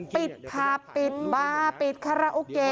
ปิดผับปิดบาร์ปิดคาราโอเกะ